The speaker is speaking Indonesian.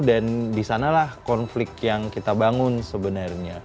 dan disanalah konflik yang kita bangun sebenarnya